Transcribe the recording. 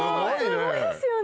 すごいですよね。